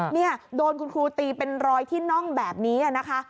เนี่ยโดนคุณครูตีเป็นรอยที่น่องแบบนี้นะคะ